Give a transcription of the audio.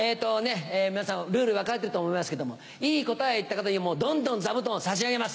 皆さんルール分かってると思いますけどもいい答えを言った方にはどんどん座布団を差し上げます。